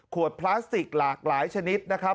พลาสติกหลากหลายชนิดนะครับ